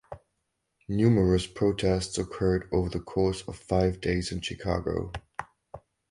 Numerous protests occurred over the course of five days in Chicago.